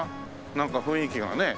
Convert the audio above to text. なんか雰囲気がねえ。